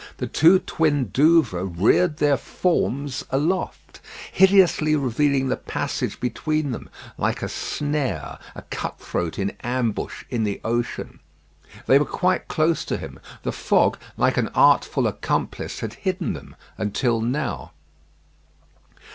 The two twin Douvres reared their forms aloft, hideously revealing the passage between them, like a snare, a cut throat in ambush in the ocean. They were quite close to him. The fog, like an artful accomplice, had hidden them until now.